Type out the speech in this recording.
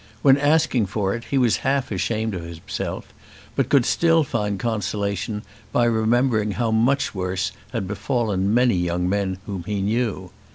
When asking for it he was half ashamed of himself, but could still find consolation by remembering how much worse had befallen many young men whom he knew.